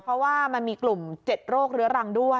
เพราะว่ามันมีกลุ่ม๗โรคเรื้อรังด้วย